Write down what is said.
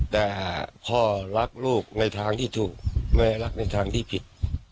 แต่พ่อรักลูกในทางที่ถูกแม่รักในทางที่ผิด